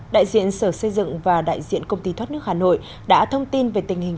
đại diện sở xây dựng và đại diện công ty thoát nước hà nội đã thông tin về tình hình